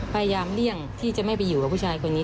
พยายามเลี่ยงที่จะไม่จะไปอยู่กับผู้ชายนี้